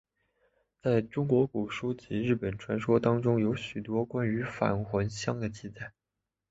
在中国古书及日本传说当中有许多关于返魂香的记载。